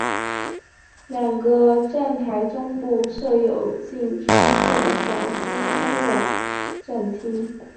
两个站台中部设有进出站闸机通往站厅。